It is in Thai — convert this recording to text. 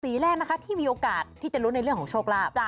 แรกนะคะที่มีโอกาสที่จะลุ้นในเรื่องของโชคลาภ